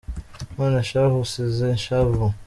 None shahu usize ishavu